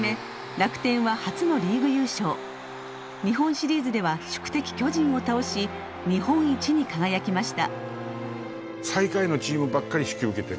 楽天は初のリーグ優勝日本シリーズでは宿敵巨人を倒し日本一に輝きました。